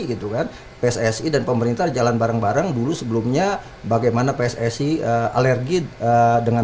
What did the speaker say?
gitu kan pssi dan pemerintah jalan bareng bareng dulu sebelumnya bagaimana pssi alergi dengan